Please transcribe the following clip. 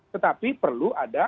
tetapi perlu ada